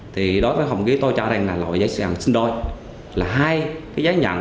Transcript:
thì đối với hồng ký tôi cho rằng là loại giấy nhận xinh đôi là hai cái giấy nhận